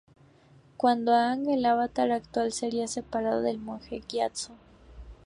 Cuando Aang, el Avatar actual, sería separado del monje Gyatso.